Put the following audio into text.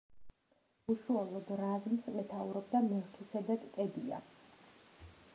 უშუალოდ რაზმს მეთაურობდა მელქისედეკ კედია.